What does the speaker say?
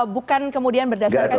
bukan kemudian berdasarkan